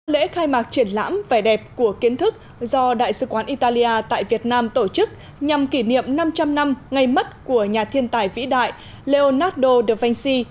lễ khai mạc triển lãm vẻ đẹp của kiến thức do đại sứ quán italia tại việt nam tổ chức nhằm kỷ niệm năm trăm linh năm ngày mất của nhà thiên tài vĩ đại leonardo da vinci